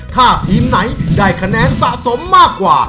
ถ้าทีมไหนได้คะแนนสะสมมากกว่า